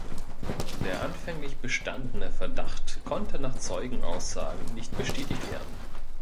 Der anfänglich bestandene Verdacht konnte nach Zeugenaussagen nicht bestätigt werden.